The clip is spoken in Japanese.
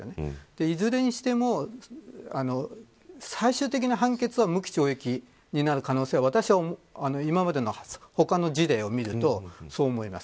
いずれにしても最終的な判決は無期懲役になる可能性は私は今までの他の事例を見るとそう思います。